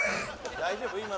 「大丈夫？